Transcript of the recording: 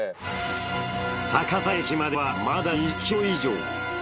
酒田駅まではまだ２０ｋｍ以上。